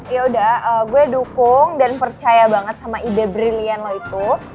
ya udah gue dukung dan percaya banget sama ide brilian lo itu